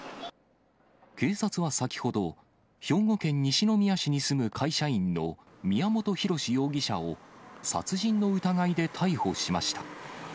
警察は先ほど、兵庫県西宮市に住む会社員の宮本浩志容疑者を殺人の疑いで逮捕しました。